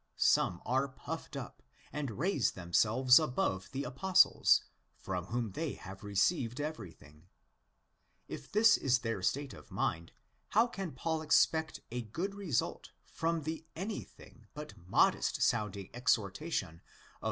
Some are " puffed up," and raise themselves above 'the Apostles," from whom they have received everything. If this is their state of mind, how can Paul expect a good result from the anything but modest sounding exhortation of iv.